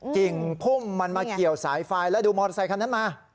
กิ่งพุ่มมันมาเกี่ยวสายไฟแล้วดูมอเตอร์ไซคันนั้นมา